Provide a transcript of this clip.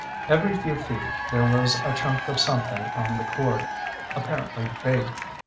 Every few feet there was a chunk of something on the cord, apparently bait.